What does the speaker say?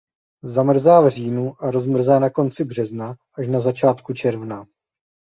Zamrzá v říjnu a rozmrzá na konci března až na začátku června.